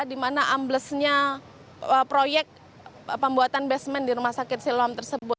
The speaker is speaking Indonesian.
di mana amblesnya proyek pembuatan basement di rumah sakit siloam tersebut